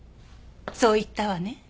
そう言ったわね？